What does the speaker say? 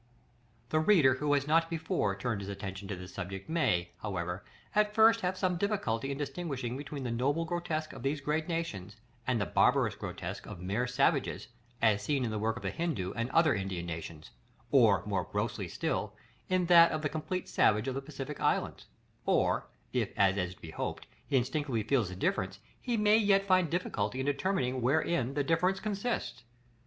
§ LXX. The reader who has not before turned his attention to this subject may, however, at first have some difficulty in distinguishing between the noble grotesque of these great nations, and the barbarous grotesque of mere savages, as seen in the work of the Hindoo and other Indian nations; or, more grossly still, in that of the complete savage of the Pacific islands; or if, as is to be hoped, he instinctively feels the difference, he may yet find difficulty in determining wherein that difference consists.